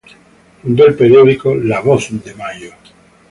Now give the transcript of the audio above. Fundó el periódico "La Voz de Mayo".